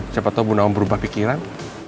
siapa tau bu nawang berubah pikiran